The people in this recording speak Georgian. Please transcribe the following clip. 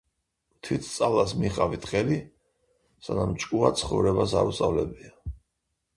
„თვითსწავლას მიჰყავით ხელი, სანამ ჭკუა ცხოვრებას არ უსწავლებია.”